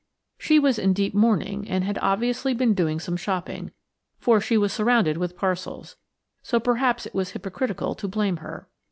She was in deep mourning, and had obviously been doing some shopping, for she was surrounded with parcels; so perhaps it was hypercritical to blame her.